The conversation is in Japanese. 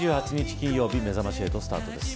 金曜日めざまし８スタートです。